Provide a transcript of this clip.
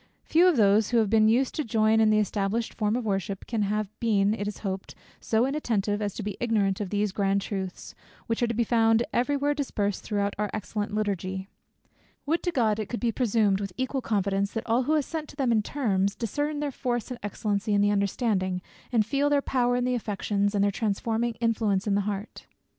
Few of those, who have been used to join in the established form of worship, can have been, it is hoped, so inattentive, as to be ignorant of these grand truths, which are to be found every where dispersed throughout our excellent Liturgy. Would to God it could be presumed, with equal confidence, that all who assent to them in terms, discern their force and excellency in the understanding, and feel their power in the affections, and their transforming influence in the heart.